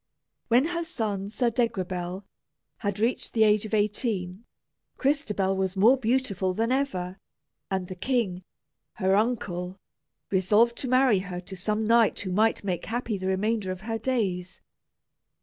When her son, Sir Degrabell, had reached the age of eighteen, Crystabell was more beautiful than ever, and the king, her uncle, resolved to marry her to some knight who might make happy the remainder of her days.